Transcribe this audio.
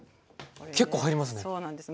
結構入りますね。